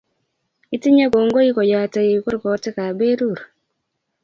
Itinye kongoi ko yatei kurkotikap berur